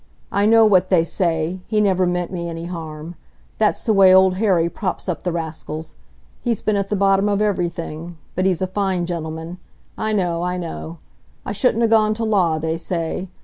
I know what they say, he never meant me any harm. That's the way Old Harry props up the rascals. He's been at the bottom of everything; but he's a fine gentleman,—I know, I know. I shouldn't ha' gone to law, they say.